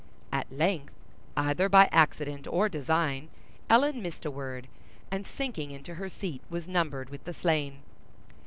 At length, either by accident or design, Ellen missed a word, and sinking into her seat was numbered with the slain.